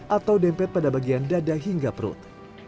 atau dempet pada bagian dada hingga perut